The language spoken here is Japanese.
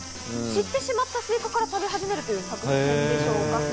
散ってしまったスイカから食べ始めるという作戦でしょうか。